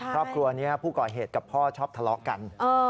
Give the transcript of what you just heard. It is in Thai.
ครอบครัวนี้ผู้ก่อเหตุกับพ่อชอบทะเลาะกัน